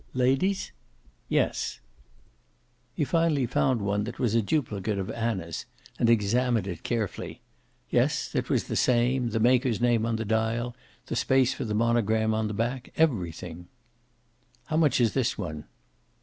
"Ladies?" "Yes." He finally found one that was a duplicate of Anna's, and examined it carefully. Yes, it was the same, the maker's name on the dial, the space for the monogram on the back, everything. "How much is this one?"